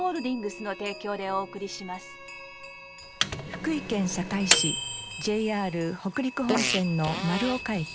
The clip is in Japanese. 福井県坂井市ＪＲ北陸本線の丸岡駅。